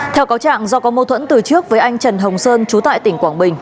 theo cáo trạng do có mâu thuẫn từ trước với anh trần hồng sơn trú tại tỉnh quảng bình